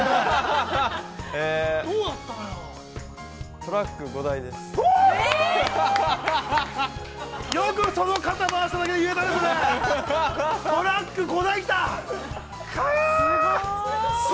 トラック５台です。